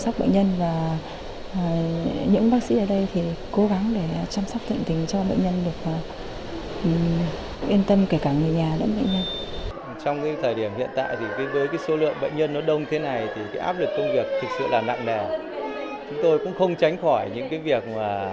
chúng tôi cũng không tránh khỏi những việc thiếu sốt được trong những vấn đề chăm sóc